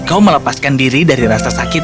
kau melepaskan diri dari rasa sakit